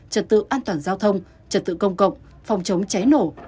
trật tự an toàn giao thông trật tự công cộng phòng chống cháy nổ